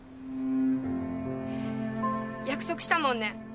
約束したもんね。